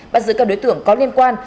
bắt giữ các đối tượng có liên quan